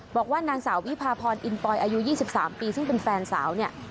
บอกว่านางสาววิพาพรอินปอยอายุ๒๓ปีซึ่งเป็นแฟนสาวเนี่ย